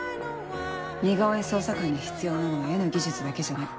似顔絵捜査官に必要なのは絵の技術だけじゃない。